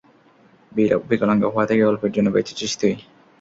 বিকলাঙ্গ হওয়া থেকে অল্পের জন্য বেঁচেছিস তুই।